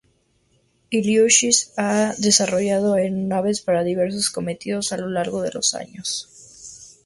Ilyushin ha desarrollado aeronaves para diversos cometidos a lo largo de los años.